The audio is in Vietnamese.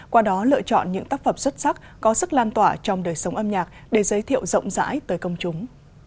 qua đó lựa chọn những tác phẩm xuất sắc có sức lan tỏa trong đời sống âm nhạc để giới thiệu rộng rãi tới công chúng